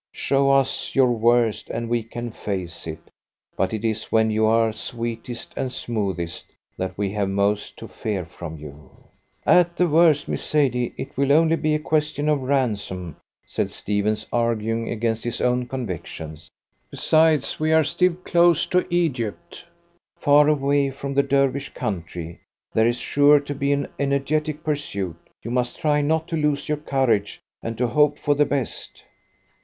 Show us your worst and we can face it, but it is when you are sweetest and smoothest that we have most to fear from you. "At the worst, Miss Sadie, it will only be a question of ransom," said Stephens, arguing against his own convictions. "Besides, we are still close to Egypt, far away from the Dervish country. There is sure to be an energetic pursuit. You must try not to lose your courage, and to hope for the best."